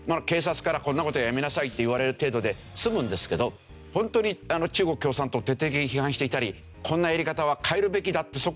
警察から「こんな事はやめなさい」って言われる程度で済むんですけどホントに中国共産党を徹底的に批判していたり「こんなやり方は変えるべきだ」って